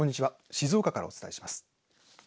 静岡からお伝えします。